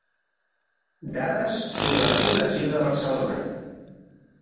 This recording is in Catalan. Dades sobre la població de Barcelona.